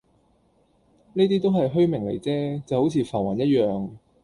呢啲都係虛名嚟啫，就好似浮雲一樣